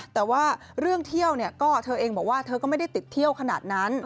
แต่ว่าเรื่องเที่ยวเนี่ยก็เธอเองบอกว่าเธอก็ไม่ได้ติดเที่ยวขนาดนั้น